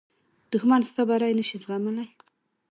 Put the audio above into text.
دښمن ستا بری نه شي زغملی